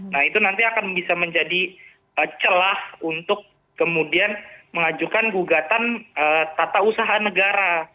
nah itu nanti akan bisa menjadi celah untuk kemudian mengajukan gugatan tata usaha negara